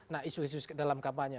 nah isu isu dalam kampanye